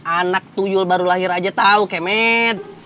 anak tuyul baru lahir aja tau kemen